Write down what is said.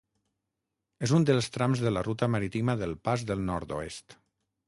És un dels trams de la ruta marítima del Pas del Nord-oest.